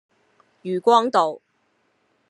漁光道